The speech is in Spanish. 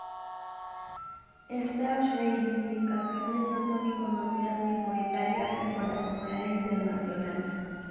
Estas reivindicaciones no son reconocidas ni por Italia ni por la comunidad internacional.